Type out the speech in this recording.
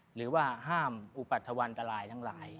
หรือว่าห้ามอุปัทธวรรณตรายทั้งหลาย